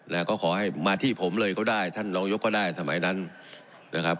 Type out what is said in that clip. แล้วก็ขอให้มาที่ผมเลยก็ได้ท่านรองยกก็ได้สมัยนั้นนะครับ